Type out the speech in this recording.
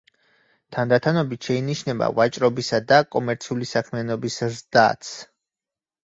თანდათანობით შეინიშნება ვაჭრობისა და კომერციული საქმიანობის ზრდაც.